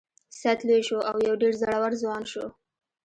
سید لوی شو او یو ډیر زړور ځوان شو.